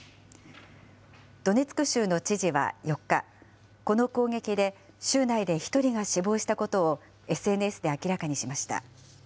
ドネツク州の知事は４日、この攻撃で州内で１人が死亡したことを、ＳＮＳで明らかにしました。